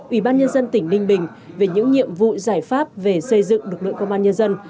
ủy ban nhân dân tỉnh ninh bình về những nhiệm vụ giải pháp về xây dựng lực lượng công an nhân dân